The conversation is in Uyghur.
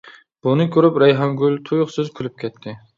بۇنى كۆرۈپ رەيھانگۈل تۇيۇقسىز كۈلۈپ كەتتى.